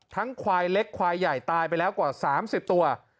ควายเล็กควายใหญ่ตายไปแล้วกว่า๓๐ตัว